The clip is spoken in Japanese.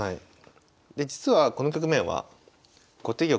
で実はこの局面は後手玉